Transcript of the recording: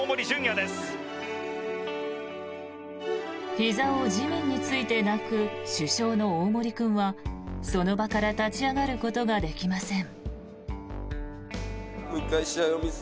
ひざを地面について泣く主将の大森君はその場から立ち上がることができません。